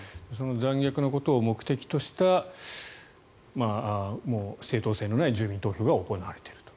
残虐なことを目的とした正当性のない住民投票が行われていると。